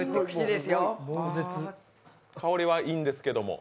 香りはいいんですけども。